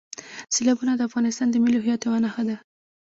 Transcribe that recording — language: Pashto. سیلابونه د افغانستان د ملي هویت یوه نښه ده.